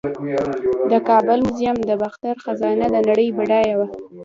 د کابل میوزیم د باختر خزانه د نړۍ بډایه وه